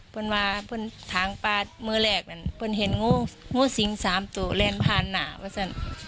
ผมว่าผมทางป่าเมือแรกนั้นผมเห็นงูงูสิงสามตัวแลนด์พานหนาวะสัน